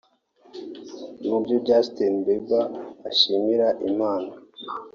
Mu byo Justin Bieber ashimira Imana